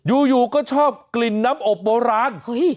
อยู่อยู่ก็ชอบกลิ่นน้ำอบโบราณอุ้ย